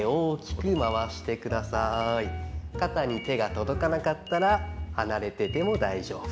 肩に手が届かなかったら離れていても大丈夫。